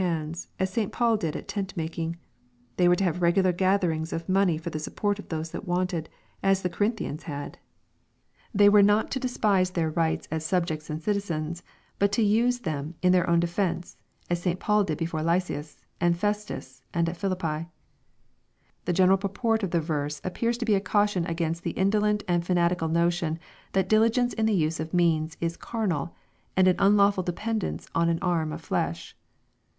ids," as St. Paul did at tent making. They were to have regniar gatherings of money for the support of those that wanted, as the Corinthians had. 18* 418 EXPOSITORY THOUGHTS. They were tjot to despise their rights as pubject=j and citizenjy, but to use tlieci :n their own defence, as St. Paul did before Lysias, and Festur. and at PhilippL The general purport of the verse appears to be a caution against the indolent and fanatical notion that diligence in the use of means is " carnal/' and an unlawful dependence on an arm of flesh.